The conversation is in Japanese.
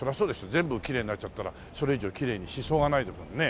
全部きれいになっちゃったらそれ以上きれいにしそうがないですもんね。